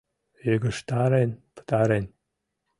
Йыгыжтарен пытарен.